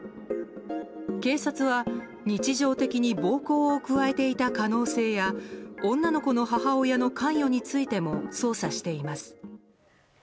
警察は、日常的に暴行を加えていた可能性や女の子の母親の関与についても捜査しています。